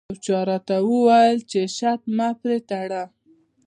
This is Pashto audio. یو چا راته وویل چې شرط مه پرې تړه.